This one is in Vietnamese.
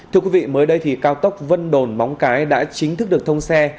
thưa quý vị mới đây thì cao tốc vân đồn móng cái đã chính thức được thông xe